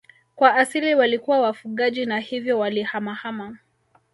Kwa asili walikuwa wafugaji na hivyo walihamahama